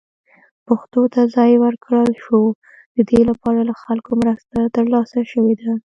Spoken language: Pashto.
پښتو ته ځای ورکړل شو، د دې لپاره له خلکو مرسته ترلاسه شوې ده.